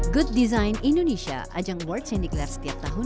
good design indonesia ajang worlds yang digelar setiap tahun